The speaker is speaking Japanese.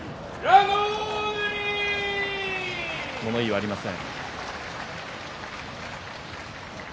物言いはありません